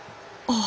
ああ。